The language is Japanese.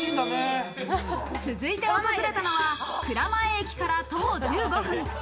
続いて訪れたのは蔵前駅から徒歩１５分。